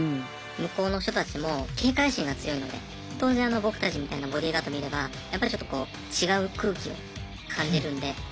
向こうの人たちも警戒心が強いので当然僕たちみたいなボディーガード見ればやっぱりちょっとこう違う空気を感じるんであ